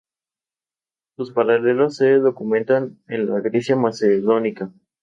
Sus paralelos se documentan en la Grecia Macedónica.